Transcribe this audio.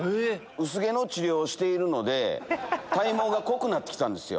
薄毛の治療をしているので体毛が濃くなって来たんですよ。